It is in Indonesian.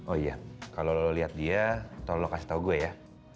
oh iya kalo lo liat dia tolong kasih tau gue ya